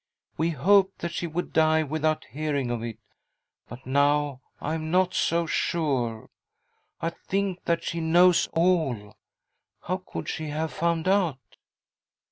We hoped that she would die without hearing of it, but. now I am not so sure. I think that she knows all. How could she have found out?